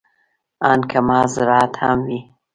ان که محض زراعت هم وي.